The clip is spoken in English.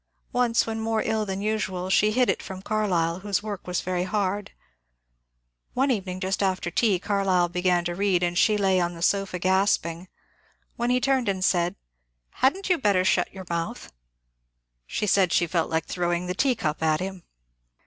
Once, when more ill than usual, she hid it from Carlyle, whose work was very hard. One evening just after tea Carlyle began to read and she lay on the sofa gasping, when he turned and said, *^ Had n't you better shut your mouth ?" She said she felt like throwing the teacup at him.